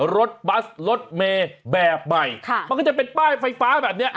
รถบัสรถเมย์แบบใหม่มันก็จะเป็นป้ายไฟฟ้าแบบนี้